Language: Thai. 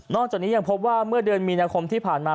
จากนี้ยังพบว่าเมื่อเดือนมีนาคมที่ผ่านมา